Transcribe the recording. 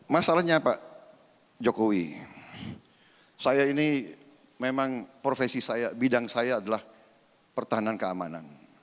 masalahnya pak jokowi saya ini memang profesi saya bidang saya adalah pertahanan keamanan